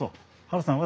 ハルさん